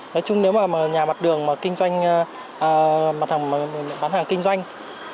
nói chung nếu mà nhà mặt đường mà kinh doanh mặt hàng bán hàng kinh doanh